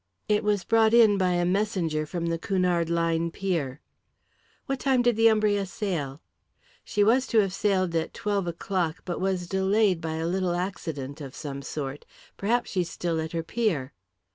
"It was brought in by a messenger from the Cunard line pier." "What time did the Umbria sail?" "She was to have sailed at twelve o'clock, but was delayed by a little accident of some sort. Perhaps she's still at her pier."